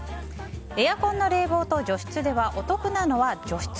エアコンの冷房と除湿ではお得なのは除湿！